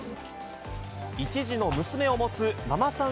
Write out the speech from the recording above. １児の娘を持つママさん